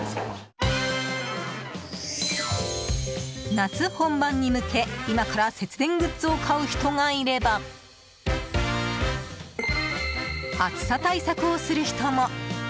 夏本番に向け、今から節電グッズを買う人がいれば暑さ対策をする人も。